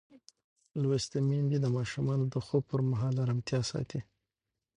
لوستې میندې د ماشومانو د خوب پر مهال ارامتیا ساتي.